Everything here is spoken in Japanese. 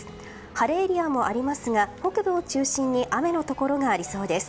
晴れエリアもありますが北部を中心に雨のところがありそうです。